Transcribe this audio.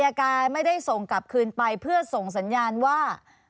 อายการไม่ได้ส่งกลับคืนไปเพื่อส่งสัญญาณว่า